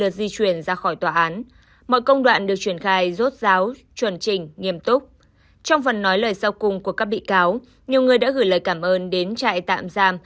trong phần nói lời sau cùng của các bị cáo nhiều người đã gửi lời cảm ơn đến trại tạm giam